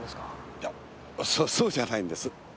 いやそそうじゃないんです。